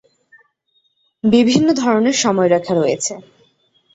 বিভিন্ন ধরনের সময়রেখা রয়েছে।